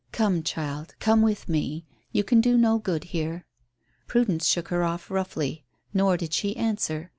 "Come, child, come with me. You can do no good here." Prudence shook her off roughly. Nor did she answer.